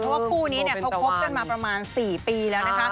เพราะว่าคู่นี้เขาคบกันมาประมาณ๔ปีแล้วนะคะ